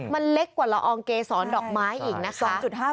มันเล็กกว่าละอองเกษรดอกไม้อีกนะคะ